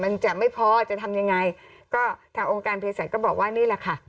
มันจะไม่พอจะทำยังไงก็ทางองค์การเพศสัตว์ก็บอกว่านี่แหละค่ะ